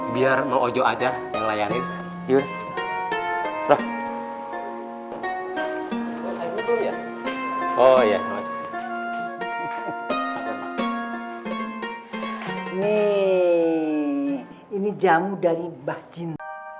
biar mau aja ngelayanin ini jamu dari bajin